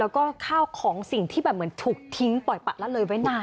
แล้วก็ข้าวของสิ่งที่แบบเหมือนถูกทิ้งปล่อยปะละเลยไว้นาน